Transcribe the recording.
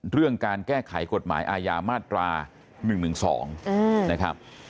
เรื่องการแก้ไขกฎหมายอายามาตรา๑๑๒